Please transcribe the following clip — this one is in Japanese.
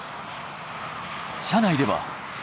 車内では。